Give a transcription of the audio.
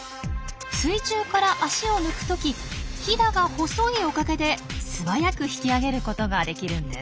水中から足を抜く時ヒダが細いおかげで素早く引き上げることができるんです。